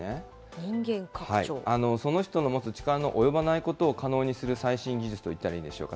その人の持つ力の及ばないことを可能にする最新技術といったらいいんでしょうか。